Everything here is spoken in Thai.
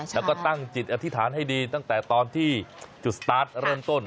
แล้วก็ตั้งจิตอธิษฐานให้ดีตั้งแต่ตอนที่จุดสตาร์ทเริ่มต้น